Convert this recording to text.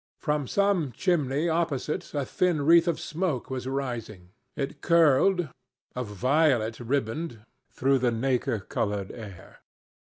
From some chimney opposite a thin wreath of smoke was rising. It curled, a violet riband, through the nacre coloured air.